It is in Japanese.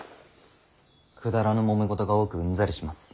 くだらぬもめ事が多くうんざりします。